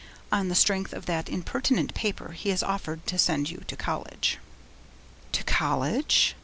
On the strength of that impertinent paper, he has offered to send you to college.' 'To college?'